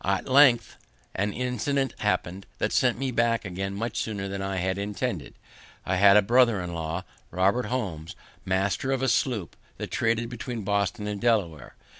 At length, an incident happened that sent me back again much sooner than I had intended. I had a brother in law, Robert Holmes, master of a sloop that traded between Boston and Delaware.